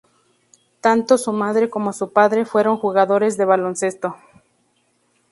Tanto su madre como su padre fueron jugadores de baloncesto.